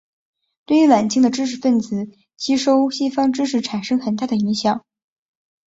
对于晚清的知识分子吸收西方知识产生很大的影响。